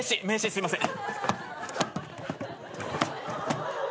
・すいません！